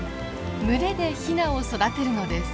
群れでヒナを育てるのです。